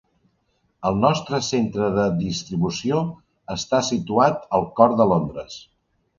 El nostre centre de distribució està situat al cor de Londres.